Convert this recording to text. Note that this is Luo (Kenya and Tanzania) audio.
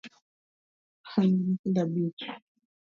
An gi nyithindo abich